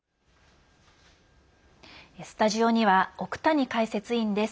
スタジオには奥谷解説委員です。